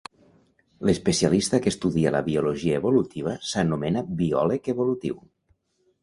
L'especialista que estudia la biologia evolutiva s'anomena biòleg evolutiu.